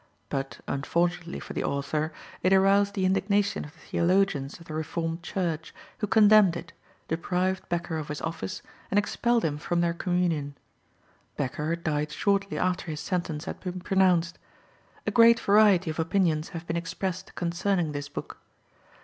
But, unfortunately for the author, it aroused the indignation of the theologians of the Reformed Church, who condemned it, deprived Bekker of his office, and expelled him from their communion. Bekker died shortly after his sentence had been pronounced. A great variety of opinions have been expressed concerning this book.